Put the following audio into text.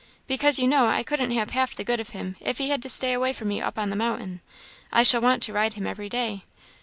"Because you know I couldn't have half the good of him if he had to stay away from me up on the mountain. I shall want to ride him every day.